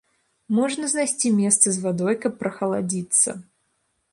Можна знайсці месцы з вадой, каб прахаладзіцца.